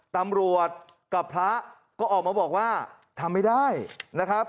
ตำรวจกับพระก็ออกมาบอกว่าทำไม่ได้นะครับ